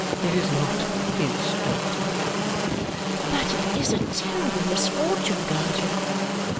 It is not HIS fault." "But it is a terrible misfortune, guardian."